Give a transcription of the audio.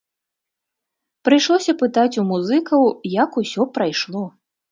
Прыйшлося пытаць у музыкаў, як усё прайшло.